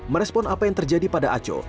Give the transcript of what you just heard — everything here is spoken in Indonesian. merespon apa yang terjadi pada aco